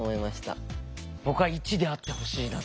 僕は１であってほしいなと。